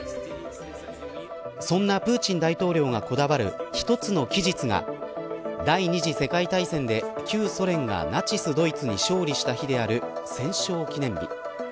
そんなプーチン大統領がこだわる１つの期日が第二次世界大戦で旧ソ連がナチスドイツに勝利した日である戦勝記念日。